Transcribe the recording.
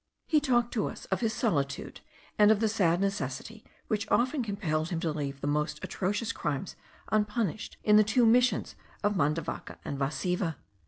He talked to us of his solitude, and of the sad necessity which often compelled him to leave the most atrocious crimes unpunished in the two missions of Mandavaca and Vasiva.